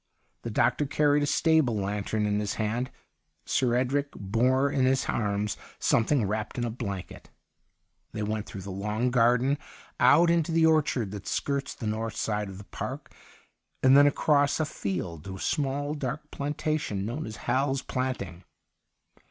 The doctor carried a stable lantern in his hand. Sir Edric bore in his arms something wrapped in a blanket. They went through the long garden, out into the orchard that skirts the north side of the park, and then across a field to a small dark plantation known as Hal's Planting.